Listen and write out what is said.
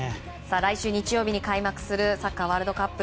来週日曜日に開幕するサッカーワールドカップ。